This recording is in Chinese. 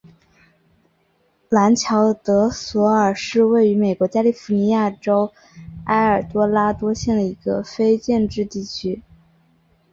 兰乔德索尔是位于美国加利福尼亚州埃尔多拉多县的一个非建制地区。